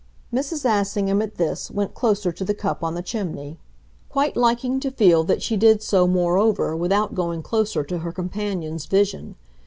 Mrs. Assingham, at this, went closer to the cup on the chimney quite liking to feel that she did so, moreover, without going closer to her companion's vision.